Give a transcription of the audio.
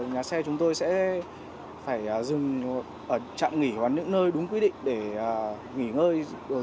nhà xe chúng tôi sẽ phải dừng trạm nghỉ vào những nơi đúng quy định để nghỉ ngơi